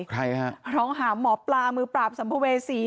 ใครฮะร้องหาหมอปลามือปราบสัมภเวษี